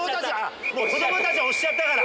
子どもたち押しちゃったから。